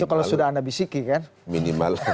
itu kalau sudah anda bisiki kan